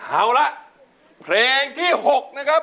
เอาละเพลงที่๖นะครับ